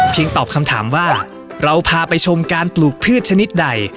ตอบคำถามว่าเราพาไปชมการปลูกพืชชนิดใด